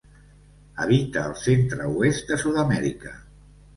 Habita el centre-oest de Sud-amèrica.